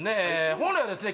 本来はですね